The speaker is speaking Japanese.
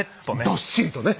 どっしりとね。